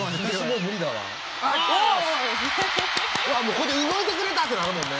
うわこれで動いてくれたってなるもんね！